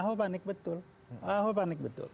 ahok panik betul ahok panik betul